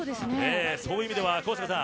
そういう意味では高阪さん